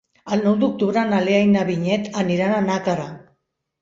El nou d'octubre na Lea i na Vinyet aniran a Nàquera.